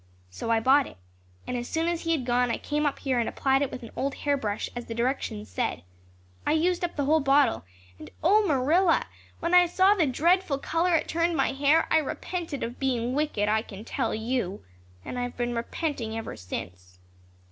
So I bought it, and as soon as he had gone I came up here and applied it with an old hairbrush as the directions said. I used up the whole bottle, and oh, Marilla, when I saw the dreadful color it turned my hair I repented of being wicked, I can tell you. And I've been repenting ever since."